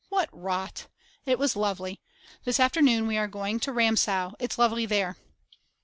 What rot! It was lovely. This afternoon we are going to Ramsau, it's lovely there.